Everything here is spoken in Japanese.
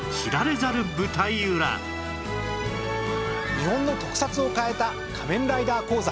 日本の特撮を変えた『仮面ライダー』講座。